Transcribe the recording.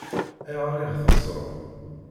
Ayɣer i ɣ-teṣṣṛem?